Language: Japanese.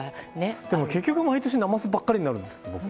でも結局毎年なますばっかりになるんです。